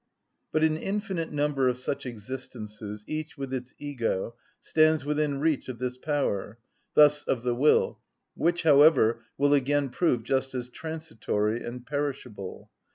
But an infinite number of such existences, each with its ego, stands within reach of this power, thus of the will, which, however, will again prove just as transitory and perishable.